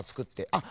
あっ！